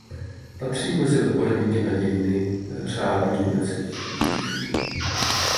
Patří mezi odborníky na dějiny řádu německých rytířů.